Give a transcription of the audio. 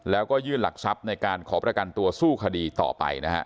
แล้วก็ยื่นหลักทรัพย์ในการขอประกันตัวสู้คดีต่อไปนะฮะ